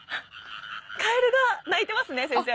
カエルが鳴いてますね先生。